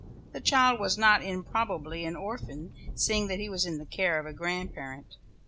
The child was not improbably an orphan, seeing that he was in the care of a grandparent.